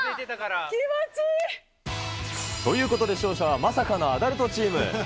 気持ちいい。ということで勝者は、まさかのアダルトチーム。